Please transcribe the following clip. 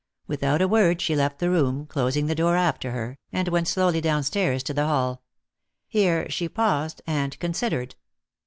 Without a word she left the room, closing the door after her, and went slowly downstairs to the hall. Here she paused and considered.